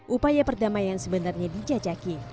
upaya perdamaian sebenarnya dijajaki